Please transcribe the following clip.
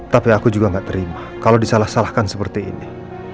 tapi aku juga gak terima kalau disalah salahkan seperti ini